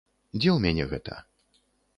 Дзе ў мяне гэта?